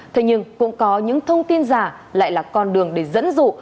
thế nhưng cũng có những thông tin giả lại là con đường để dẫn dụ